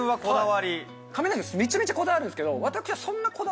亀梨君めちゃめちゃこだわるんですけど私は。